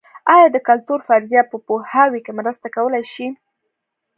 ایا د کلتور فرضیه په پوهاوي کې مرسته کولای شي؟